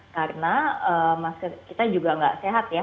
karena kita juga tidak sehat ya